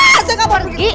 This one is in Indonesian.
gak saya gak mau pergi